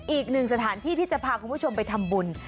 อีกหนึ่งสถานที่ที่จะพาคุณผู้ชมไปทำบุญ